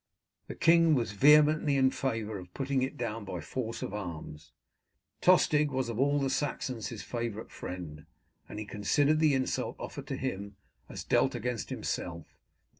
The king was vehemently in favour of putting it down by force of arms. Tostig was of all the Saxons his favourite friend, and he considered the insult offered to him as dealt against himself.